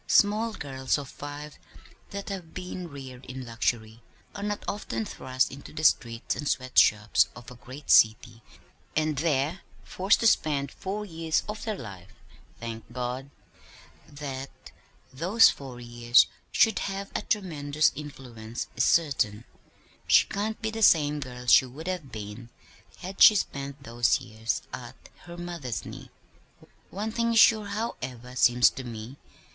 Small girls of five that have been reared in luxury are not often thrust into the streets and sweat shops of a great city and there forced to spend four years of their life thank God! That those four years should have had a tremendous influence is certain. She can't be the same girl she would have been had she spent those years at her mother's knee. One thing is sure, however, seems to me.